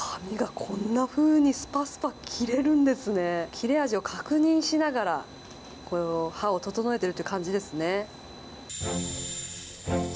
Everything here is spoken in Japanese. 切れ味を確認しながら刃を整えているという感じですね。